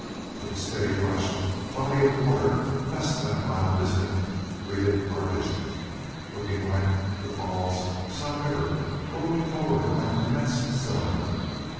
With a steady rush, a body of water, less than a mile distant, greeted our vision, looking like the falls of some river, rolling forward like an immense cylinder.